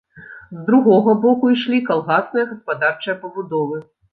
З другога боку ішлі калгасныя гаспадарчыя пабудовы.